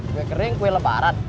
kue kering kue lebaran